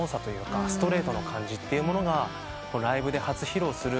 ストレートな感じというものがライブで初披露する。